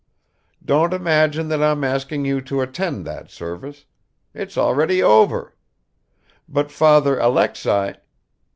Don't imagine that I'm asking you to attend that service it's already over; but Father Alexei